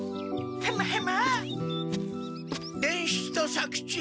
ヘムヘム。